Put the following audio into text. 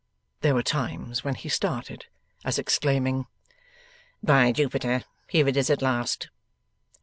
There were times when he started, as exclaiming 'By Jupiter here it is at last!